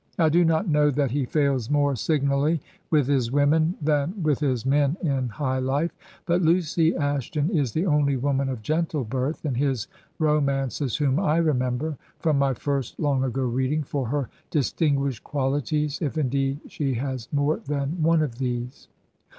I do not know that he fails more signally with his women 99 Digitized by VjOOQIC HEROINES OF FICTION than with his men in high life; but Lucy Ashton is the only woman of gentle birth in his romances whom I remember, from my first long ago reading, for her distinguished qualities, if indeed she has more than one of these.